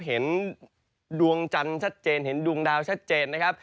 เห็นดวงจันทร์ชัดเจนเห็นดวงดาวชัดเจนนะครับ